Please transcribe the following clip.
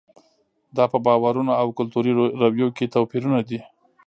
دا په باورونو او کلتوري رویو کې توپیرونه دي.